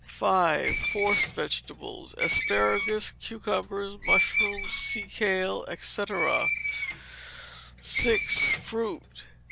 v. Forced Vegetables. Asparagus, cucumbers, mushrooms, sea kale, &c. vi. Fruit.